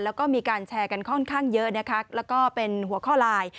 แล้วก็มีการแชร์กันค่อนข้างเยอะนะคะแล้วก็เป็นหัวข้อไลน์